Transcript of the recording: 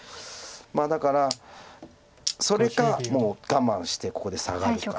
まあだからそれかもう我慢してここでサガるか。